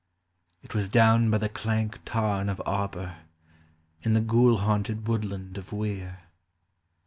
153 It was down by the clank tarn of Auber, In the ghoul haunted Avoodland of Weir.